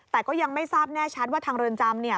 แต่ก็ยังไม่ทราบแน่ชัดว่าทางเรือนจำเนี่ย